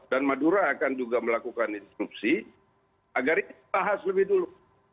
dan madura akan juga melakukan intrupsi agar ini dibahas lebih dulu